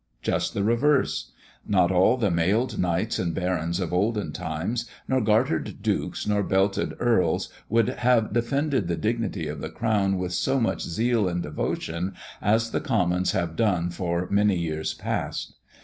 Just the reverse. Not all the mailed knights and barons of olden times, nor gartered Dukes nor belted Earls, would have defended the dignity of the crown with so much zeal and devotion as the Commons have done for many years past.